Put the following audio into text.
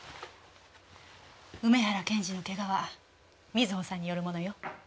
梅原検事のけがは美津保さんによるものよ。